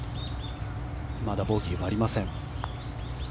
まだボギーはありません。